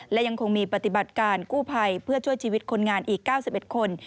และยังคงมีปฏิบัติการกู้ภัยเพื่อช่วยชีวิตคนงานอีก๙๑คน